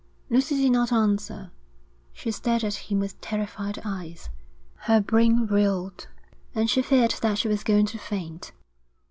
Lucy did not answer. She stared at him with terrified eyes. Her brain reeled, and she feared that she was going to faint.